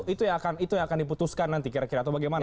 itu yang akan diputuskan nanti kira kira atau bagaimana